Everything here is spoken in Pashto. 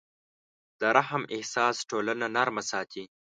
د رحم احساس ټولنه نرمه ساتي.